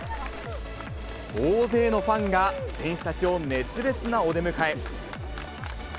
大勢のファンが選手たちを熱烈なお出迎え。